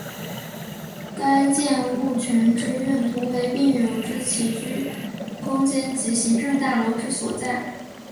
该建物群之用途为病友之起居空间及行政大楼之所在。